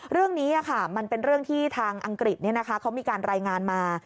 เรื่องนี้มันเป็นเรื่องที่ทางอังกฤษเขามีการรายงานมา